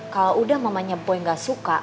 kalau udah mamanya boy gak suka